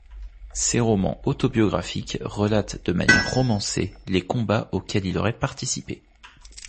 Ses romans autobiographiques relatent de manière romancée les combats auxquels il aurait participé.